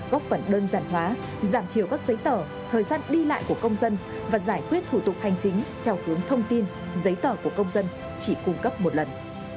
góp phần đơn giản hóa giảm thiểu các giấy tờ thời gian đi lại của công dân và giải quyết thủ tục hành chính theo hướng thông tin giấy tờ của công dân chỉ cung cấp một lần